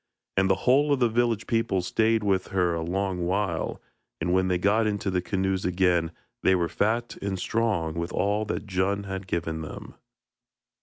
And the whole of the village people stayed with her a long while, and when they got into the canoes again they were fat and strong with all that Djun had given them.